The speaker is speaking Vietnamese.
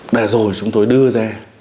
đã rồi chúng tôi đưa ra